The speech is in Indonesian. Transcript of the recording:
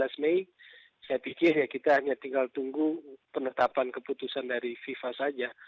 saya pikir kita hanya tinggal tunggu penetapan keputusan dari fifa saja